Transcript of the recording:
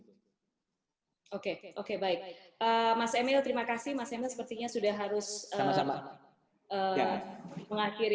mas emil sepertinya sudah harus mengakhiri